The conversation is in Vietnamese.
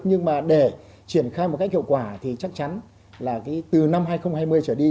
nhưng mà để triển khai một cách hiệu quả thì chắc chắn là từ năm hai nghìn hai mươi trở đi